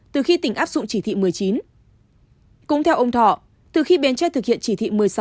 từ khi tỉnh áp dụng chỉ thị một mươi chín cũng theo ông thọ từ khi bến tre thực hiện chỉ thị một mươi sáu